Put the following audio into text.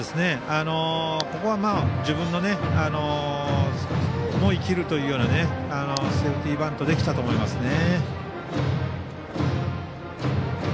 ここは自分も生きるというようなセーフティーバントできたと思います。